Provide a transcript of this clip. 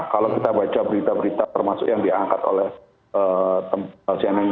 kalau kita baca berita berita termasuk yang diangkat oleh tempat cnn com misalnya itu